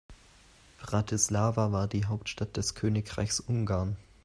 Bratislava war die Hauptstadt des Königreichs Ungarn.